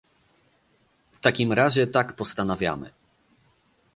W takim razie tak postanawiamy